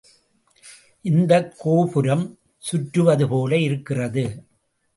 இந்தக் கோபுரம் சுற்றுவதுபோல இருக்கிறது.